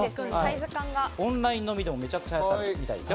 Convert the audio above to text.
オンライン飲みでも、めちゃくちゃ流行ったみたいですよ。